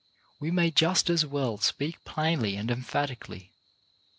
We may just as well speak plainly and emphatically.